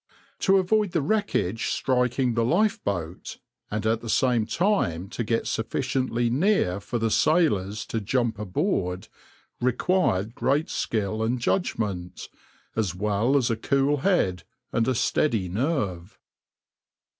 To avoid the wreckage striking the lifeboat, and at the same time to get sufficiently near for the sailors to jump aboard, required great skill and judgment, as well as a cool head and a steady nerve.